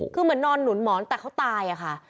คือเหมือนนอนหนุนหมอนแต่เขาตายอะค่ะ